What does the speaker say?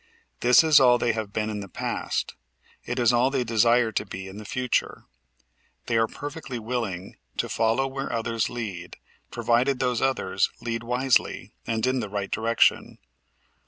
This is all they have been in the past; it is all they desire to be in the future. They are perfectly willing to follow where others lead provided those others lead wisely and in the right direction.